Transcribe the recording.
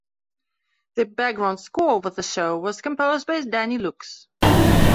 The background score for the show was composed by Danny Lux.